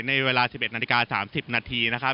ในเวลา๑๑นาฬิกา๓๐นาที